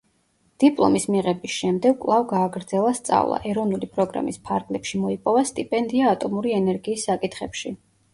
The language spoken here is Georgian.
დიპლომის მიღების შემდეგ კვლავ გააგრძელა სწავლა, ეროვნული პროგრამის ფარგლებში მოიპოვა სტიპენდია ატომური ენერგიის საკითხებში.